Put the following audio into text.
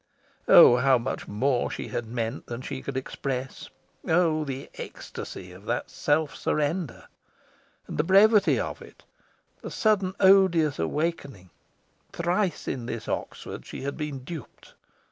Oh, how much more she had meant than she could express! Oh, the ecstasy of that self surrender! And the brevity of it! the sudden odious awakening! Thrice in this Oxford she had been duped.